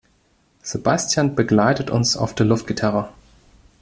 Sebastian begleitet uns auf der Luftgitarre.